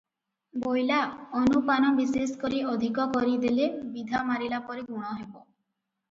ବୋଇଲା ଅନୁପାନ ବିଶେଷ କରି ଅଧିକ କରିଦେଲେ ବିଧା ମାରିଲାପରି ଗୁଣ ହେବ ।"